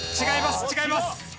違います。